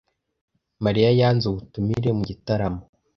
Mariya yanze ubutumire mu gitaramo.